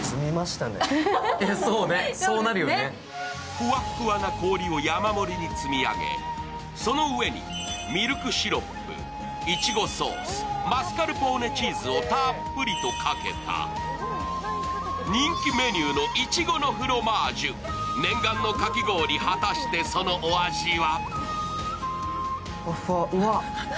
ふわっふわな氷を積み上げその上にミルクシロップ、いちごソース、マスカルポーネチーズをたっぷりかけた人気メニューのいちごのフロマージュ、念願のかき氷果たしてそのお味は？